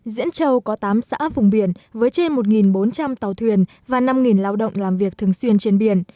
diễn châu có tám xã vùng biển với trên một bốn trăm linh tàu thuyền và năm lao động làm việc thường xuyên trên biển